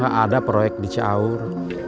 papa gak ada proyek di ciaur